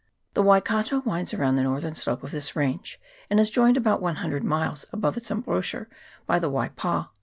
The Waikato winds around the northern slope of this range, and is joined, about 100 miles above its embouchure, by the Waipa.